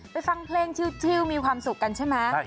ฟังเพลงชิวมีความสุขกันใช่ไหม